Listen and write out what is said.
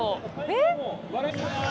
えっ？